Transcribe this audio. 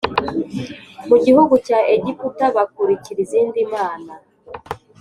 Mu gihugu cya egiputa bakurikira izindi mana